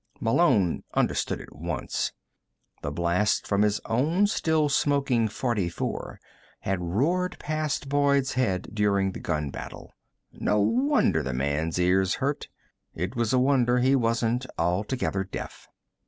Malone understood at once. The blast from his own still smoking .44 had roared past Boyd's head during the gun battle. No wonder the man's ears hurt. It was a wonder he wasn't altogether deaf.